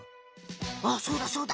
あっそうだそうだ！